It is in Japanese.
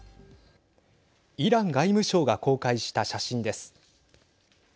イラン外務省が公開した写真です。